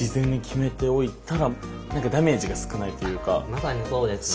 まさにそうですね。